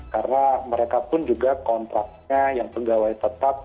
karena mereka pun juga kontraknya yang pegawai tetap